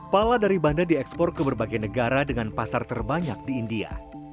pala dari banda diekspor ke berbagai negara dengan pasar terbanyak di india